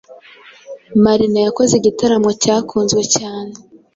Marina yakoze igitaramo cyakunzwe cyane